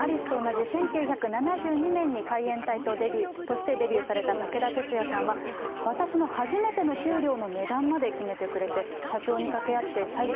そうですね、アリスと同じ１９７２年に海援隊としてデビューされた武田鉄矢さんは、私の初めての給料の値段まで決めてくれて、社長にかけ合って、最低